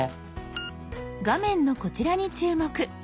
画面のこちらに注目！